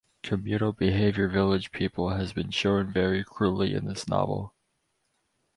Communal behavior village people has been shown very cruelly in this novel.